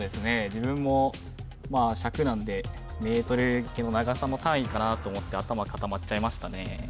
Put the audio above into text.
自分も尺なんでメートル長さの単位かなと思って頭固まっちゃいましたね